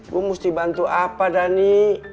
gue mesti bantu apa dhani